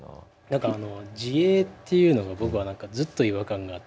何か自衛っていうのが僕は何かずっと違和感があって。